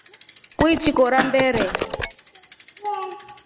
Uichi kora mbere?